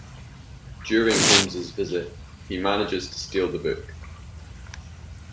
During Holmes' visit he manages to steal the book.